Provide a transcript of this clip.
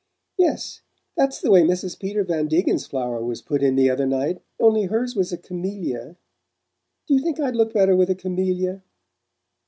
"Yes that's the way Mrs. Peter Van Degen's flower was put in the other night; only hers was a camellia. Do you think I'd look better with a camellia?"